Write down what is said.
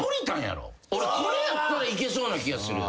俺これやったらいけそうな気がする。